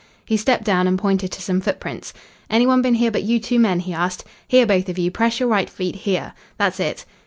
He stepped down and pointed to some footprints. "Any one been here but you two men?" he asked. "Here, both of you, press your right feet here. That's it."